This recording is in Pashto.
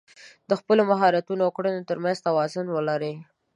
د خپلو مهارتونو او کړنو تر منځ توازن ولرئ.